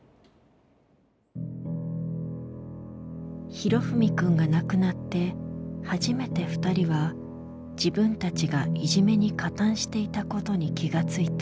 裕史くんが亡くなって初めて２人は自分たちがいじめに加担していたことに気が付いた。